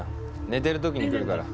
寝てる時に来るから。